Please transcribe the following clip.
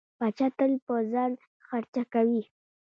پاچا تل په ځان خرچه کوي.